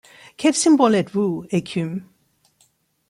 Quel symbole êtes-vous, écume